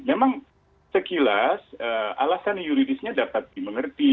memang sekilas alasan yuridisnya dapat dimengerti